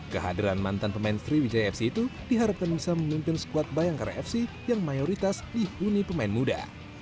kehadiran mantan pemain sriwijaya fc itu diharapkan bisa memimpin skuad bayangkara fc yang mayoritas dihuni pemain muda